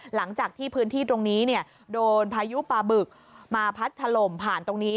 หลังจากที่พื้นที่ตรงนี้โดนพายุปลาบึกมาพัดถล่มผ่านตรงนี้